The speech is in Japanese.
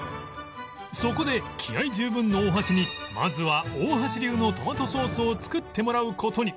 そこで気合十分の大橋にまずは大橋流のトマトソースを作ってもらう事に